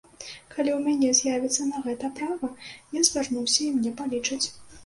Калі ў мяне з'явіцца на гэта права, я звярнуся і мне палічаць.